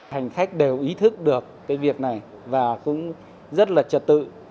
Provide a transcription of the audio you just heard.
hành khách đều ý thức được cái việc này và cũng rất là trật tự